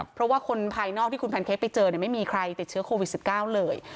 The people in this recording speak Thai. เพราะว่าคนภายนอกที่คุณแพนเค้กไปเจอไม่มีใครติดเชื้อโควิด๑๙เลย